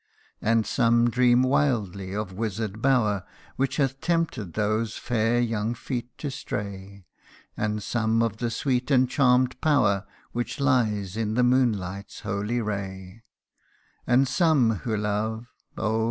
And some dream wildly of wizard bower Which hath tempted those fair young feet to stray : And some of the sweet and charmed power Which lies in the moonlight's holy ray : And some who love oh